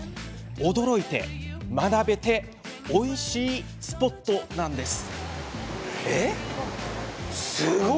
驚いて、学べて、おいしいスポットなんです。